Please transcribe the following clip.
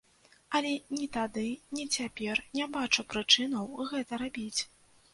Але ні тады, ні цяпер не бачу прычынаў гэта рабіць.